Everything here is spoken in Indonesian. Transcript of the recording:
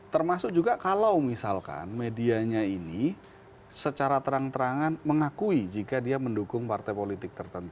termasuk juga kalau misalkan medianya ini secara terang terangan mengakui jika dia mendukung partai politik tertentu